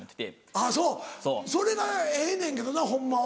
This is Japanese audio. あぁそうそれがええねんけどなホンマは。